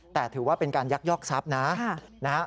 แต่ถือว่าเป็นการยักยอกทรัพย์นะ